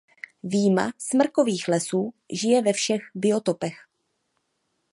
Vyjma smrkových lesů žije ve všech biotopech.